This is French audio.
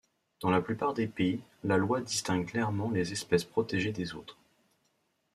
Dans la plupart des pays, la loi distingue clairement les espèces protégées des autres.